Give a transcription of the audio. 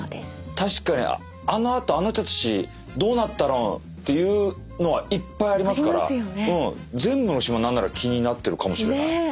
確かにあのあとあの人たちどうなったのっていうのはいっぱいありますから全部の島何なら気になってるかもしれない。